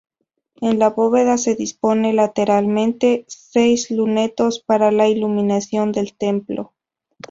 En la bóveda se dispone lateralmente seis lunetos para la iluminación del Templo.